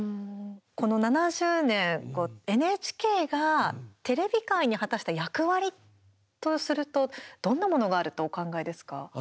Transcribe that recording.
この７０年ＮＨＫがテレビ界に果たした役割とするとどんなものがあるとお考えですか。